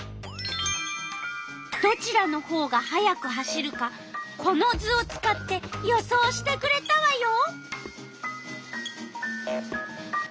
どちらのほうが速く走るかこの図を使って予想してくれたわよ。